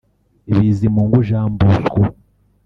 Bizimungu Jean Bosco